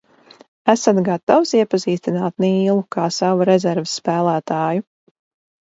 Esat gatavs iepazīstināt Nīlu kā savu rezerves spēlētāju?